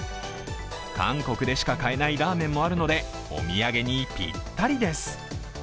韓国でしか買えないラーメンもあるので、お土産にぴったりです。